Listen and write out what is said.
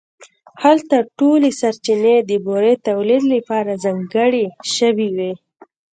هلته ټولې سرچینې د بورې تولید لپاره ځانګړې شوې وې